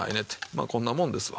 まあこんなもんですわ。